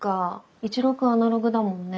一郎君アナログだもんね。